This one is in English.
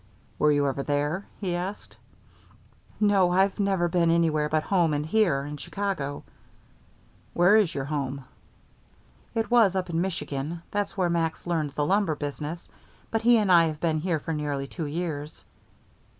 "Were you ever there?" he asked. "No, I've never been anywhere but home and here, in Chicago." "Where is your home?" "It was up in Michigan. That's where Max learned the lumber business. But he and I have been here for nearly two years."